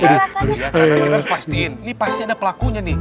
kita harus pastiin ini pasti ada pelakunya nih